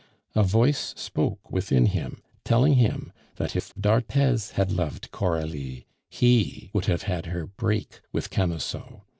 A voice spoke within him, telling him that if d'Arthez had loved Coralie, he would have had her break with Camusot.